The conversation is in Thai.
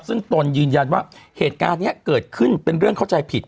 ซึ่งตนยืนยันว่าเหตุการณ์นี้เกิดขึ้นเป็นเรื่องเข้าใจผิด